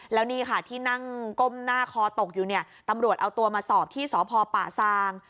แล้วนี่ค่ะที่นั่งก้มหน้าคอตกอยู่เนี่ยตำรวจเอาตัวมาสอบที่สพป่าซาง